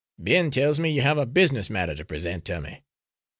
"Ben tells me you have a business matter to present to me?"